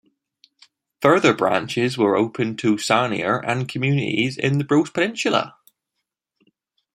Further branches were opened to Sarnia and communities in the Bruce Peninsula.